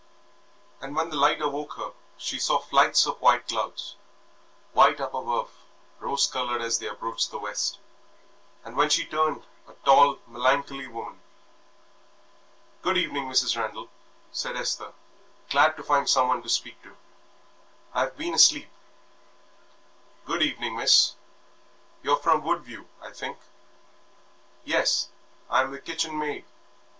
And when the light awoke her she saw flights of white clouds white up above, rose coloured as they approached the west; and when she turned, a tall, melancholy woman. "Good evening, Mrs. Randal," said Esther, glad to find someone to speak to. "I've been asleep." "Good evening, Miss. You're from Woodview, I think?" "Yes, I'm the kitchen maid.